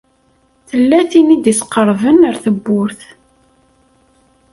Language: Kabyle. Tella tin i d-isqeṛben ar tewwurt.